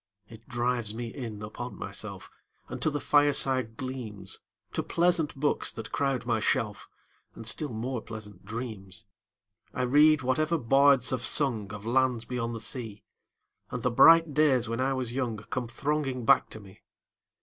It drives me in upon myself 5 And to the fireside gleams, To pleasant books that crowd my shelf, And still more pleasant dreams. I read whatever bards have sung Of lands beyond the sea, 10 And the bright days when I was young Come thronging back to me.